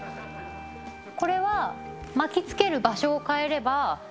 これは巻きつける場所を変えれば。